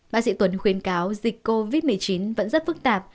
bác sĩ tuấn khuyến cáo dịch covid một mươi chín vẫn rất phức tạp